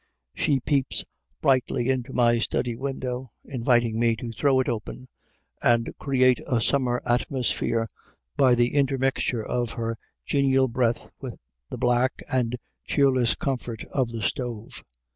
She peeps brightly into my study window, inviting me to throw it open and create a summer atmosphere by the intermixture of her genial breath with the black and cheerless comfort of the stove.